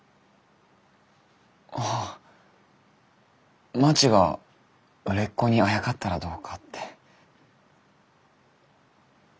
ああまちが売れっ子にあやかったらどうかって。